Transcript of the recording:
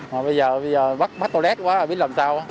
mà bây giờ bắt toilet quá biết làm sao